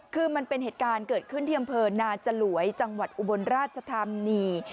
คือมันเป็นเหตุการณ์เกิดขึ้นที่อำเภอนาจลวยจังหวัดอุบลราชธานี